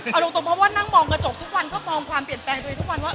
เอาตรงเพราะว่านั่งมองกระจกทุกวันก็มองความเปลี่ยนแปลงตัวเองทุกวันว่า